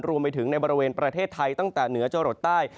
รวมไปถึงในบริเวณประเทศไทยตั้งแต่เหนือจรดใต้